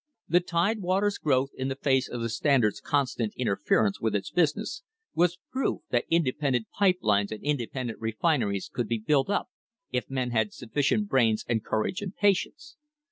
The Tide water's growth in the face of the Standard's constant inter ference with its business was proof that independent pipe lines and independent refineries could be built up if men had sufficient brains and courage and patience.